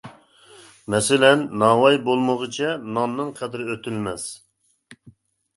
مەسىلەن: ناۋاي بولمىغۇچە، ناننىڭ قەدرى ئۆتۈلمەس.